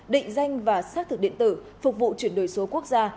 định danh và xác thực điện tử phục vụ chuyển đổi số quốc gia